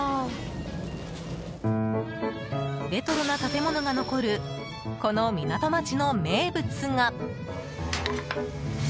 レトロな建物が残るこの港街の名物が。